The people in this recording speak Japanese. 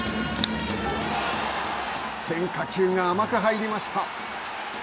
変化球が甘く入りました。